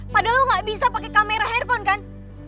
padahal lo gak bisa pakai kamera handphone kan